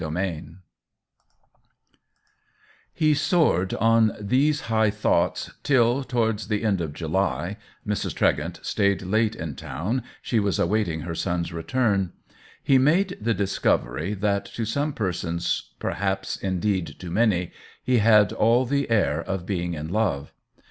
VI He soared on these high thoughts till, towards the end of July (Mrs. Tregent stayed late in town — she was awaiting her son's return), he made the discovery that to some persons, perhaps indeed to many, he had all the air of being in love.